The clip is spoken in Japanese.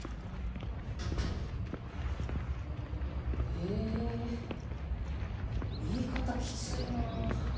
えー言い方きついな。